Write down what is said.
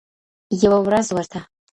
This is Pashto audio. یوه ورځ ورته